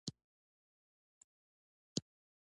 ازادي راډیو د کډوال په اړه سیمه ییزې پروژې تشریح کړې.